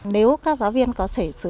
nếu các giáo viên có thể sử dụng